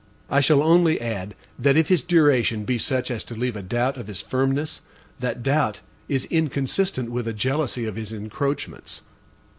I shall only add, that if his duration be such as to leave a doubt of his firmness, that doubt is inconsistent with a jealousy of his encroachments.